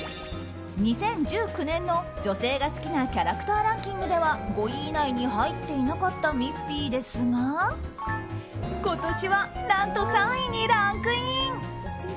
２０１９年の女性が好きなキャラクターランキングでは５位以内に入っていなかったミッフィーですが今年は何と、３位にランクイン。